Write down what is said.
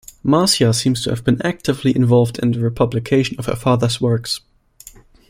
Marcia seems to have been actively involved in the re-publication of her father's works.